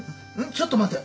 ちょっと待て。